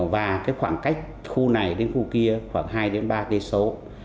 và khoảng cách khu này đến khu kia khoảng hai đến ba cây số